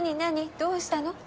どうしたの？